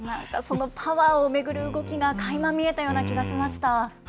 パワーを巡る動きがかいま見えたような気がしました。